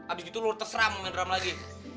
abis itu lo terseram main drum lagi